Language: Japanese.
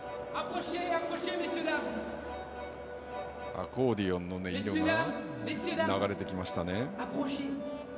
アコーディオンの音色が流れてきました。